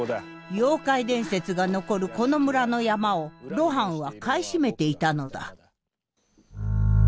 妖怪伝説が残るこの村の山を露伴は買い占めていたのだ。